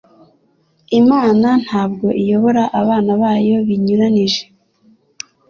Imana ntabwo iyobora abana bayo binyuranije